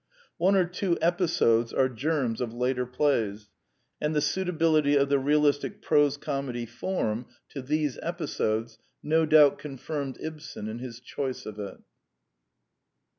One or two episodes are germs of later plays; and the suit ability of the realistic prose comedy form to these The Anti Idealist Plays 85 episodes no doubt confirmed Ibsen in his choice of it.